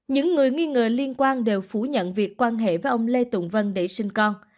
những người nghi ngờ liên quan đều phủ nhận việc quan hệ với ông lê tùng vân để sinh con